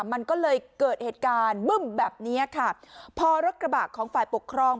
มันก็เลยเกิดเหตุการณ์บึ้มแบบเนี้ยค่ะพอรถกระบะของฝ่ายปกครอง